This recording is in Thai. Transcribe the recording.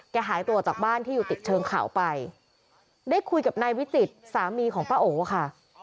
หายตัวจากบ้านที่อยู่ติดเชิงเขาไปได้คุยกับนายวิจิตรสามีของป้าโอค่ะ